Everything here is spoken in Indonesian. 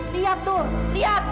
lihat tuh lihat